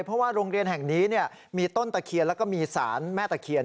เพราะว่าโรงเรียนแห่งนี้มีต้นตะเคียนแล้วก็มีสารแม่ตะเคียน